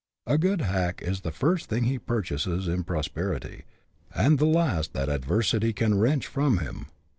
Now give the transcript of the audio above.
A good hack is the first thing he purchases in prosperity, and the last that adversity can wrench from him.